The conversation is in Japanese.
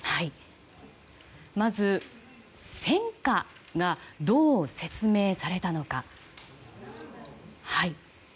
まず、戦果がどう説明されたのか。